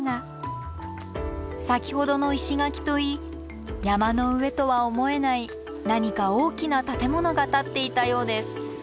先ほどの石垣といい山の上とは思えない何か大きな建物が建っていたようです。